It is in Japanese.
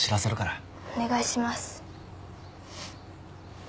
お願いします。